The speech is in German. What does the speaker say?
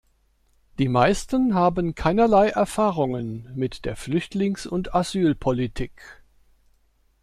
Die meisten haben keinerlei Erfahrungen mit der Flüchtlings- und Asylpolitik.